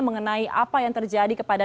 mengenai apa yang terjadi kepada